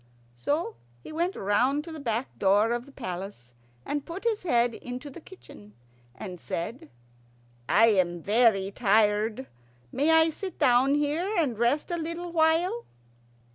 So he went round to the back door of the palace, and put his head into the kitchen, and said, "I am very tired. May I sit down here and rest a little while?"